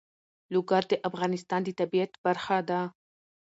لوگر د افغانستان د طبیعت برخه ده.